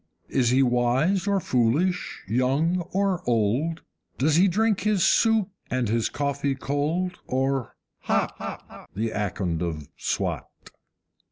Is he wise or foolish, young or old? Does he drink his soup and his coffee cold, or HOT, The Akond of Swat?